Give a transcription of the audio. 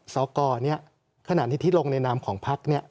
สกเนี่ยขณะที่ที่ลงในนามของพักเนี่ย